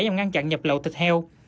và ngăn chặn nhập lậu thịt heo